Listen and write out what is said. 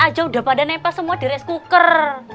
nasi aja udah pada nepas semua di rice cooker